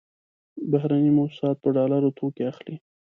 بهرني موسسات په ډالرو توکې اخلي.